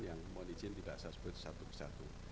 yang mengalih izin tidak salah sebut satu satu